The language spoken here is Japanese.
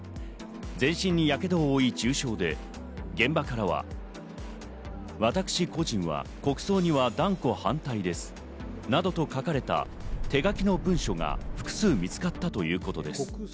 全身に火傷を負い重傷で、現場からは、「私、個人は国葬には断固反対です」などと書かれた手書きの文書が複数見つかったということです。